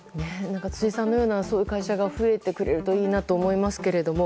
辻さんのような会社が増えてくれるといいなと思いますけれども。